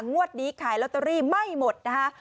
งวดนี้ขายลอตเตอรี่ไม่หมดนะคะ